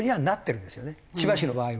千葉市の場合は。